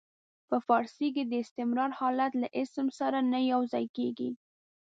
په فارسي کې د استمرار حالت له اسم سره نه یو ځای کیږي.